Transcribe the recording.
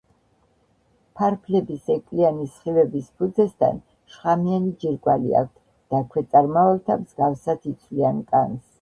ფარფლების ეკლიანი სხივების ფუძესთან შხამიანი ჯირკვალი აქვთ და ქვეწარმავალთა მსგავსად იცვლიან კანს.